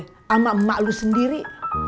sama emak lu sendiri